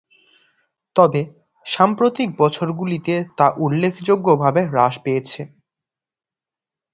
তবে সাম্প্রতিক বছরগুলিতে তা উল্লেখযোগ্যভাবে হ্রাস পেয়েছে।